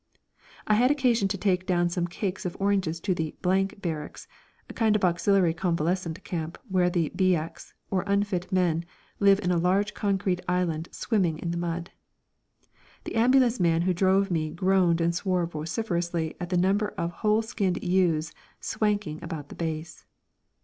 I had occasion to take down some casks of oranges to the Barracks, a kind of auxiliary convalescent camp, where the "BX," or unfit men, live in a large concrete island swimming in the mud. The ambulance man who drove me groaned and swore vociferously at the number of whole skinned youths "swanking" about the base.